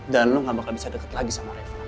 dan lu gak bakal bisa deket lagi sama reva